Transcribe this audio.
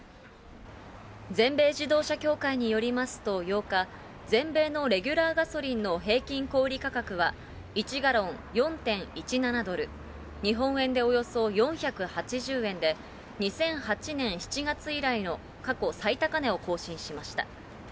全米自動車協会によりますと、８日、全米のレギュラーガソリンの平均小売り価格は、１ガロン４．１７ドル、日本円でおよそ４８０円で、２００８年７月以来の過去最高値を更新しました。